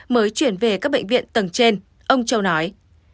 mới chuyển về các bệnh viện tầng trên ông châu nói